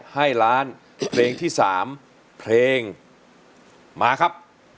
ให้ล้านเพลงที่๓เพลงมาครับ